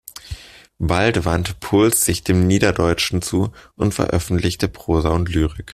Bald wandte Puls sich dem Niederdeutschen zu und veröffentlichte Prosa und Lyrik.